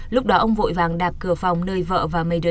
lúc đó ông vội vàng đạp cửa phòng nơi vợ và mấy đứa